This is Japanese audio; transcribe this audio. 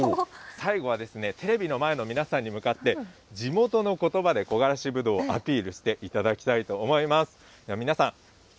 最後はですね、テレビの前の皆さんに向かって、地元のことばで、こがらしぶどうをアピールしていただきたいと思います。